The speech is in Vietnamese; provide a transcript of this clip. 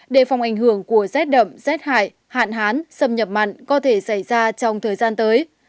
đề phòng ảnh hưởng của rét đậm rét hại hạn hán xâm nhập mặn có thể xảy ra trong thời gian tới